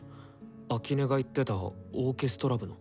秋音が言ってたオーケストラ部の。